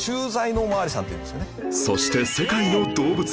そして世界の動物